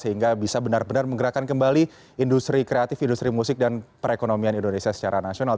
sehingga bisa benar benar menggerakkan kembali industri kreatif industri musik dan perekonomian indonesia secara nasional